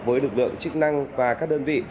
với lực lượng chức năng và các đơn vị